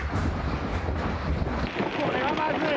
これはまずい！